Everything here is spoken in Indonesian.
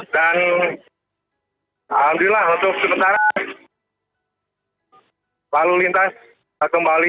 dan alhamdulillah untuk sementara lalu lintas kita kembali